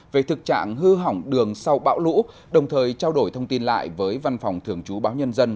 về thực trạng hư hỏng đường sau bão lũ đồng thời trao đổi thông tin lại với văn phòng thường trú báo nhân dân